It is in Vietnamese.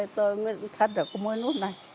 tôi mới thắt được có mỗi một nút này